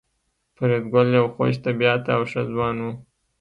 فریدګل یو خوش طبیعته او ښه ځوان و